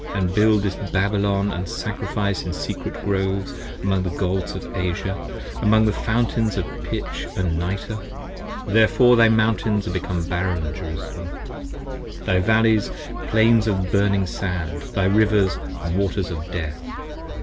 And build this Babylon & sacrifice in secret Groves, Among the Gods of Asia: among the fountains of pitch & nitre. 25 Therefore thy Mountains are become barren, Jerusalem: Thy Valleys, Plains of burning sand, thy Rivers, waters of death.